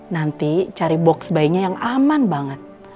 nanti cari box bayinya yang aman banget